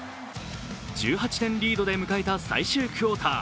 １８点リードで迎えた最終クオーター。